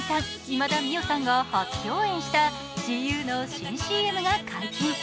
今田美桜さんが初共演したＧＵの新ＣＭが解禁。